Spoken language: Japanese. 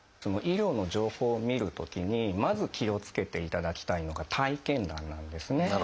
医療の情報を見るときにまず気をつけていただきたいのが体験談なんですね。